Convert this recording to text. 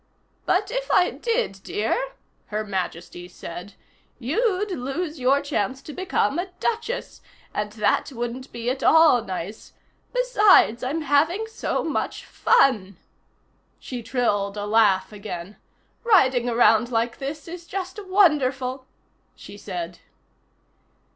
"But if I did, dear," Her Majesty said, "you'd lose your chance to become a Duchess, and that wouldn't be at all nice. Besides, I'm having so much fun!" She trilled a laugh again. "Riding around like this is just wonderful!" she said.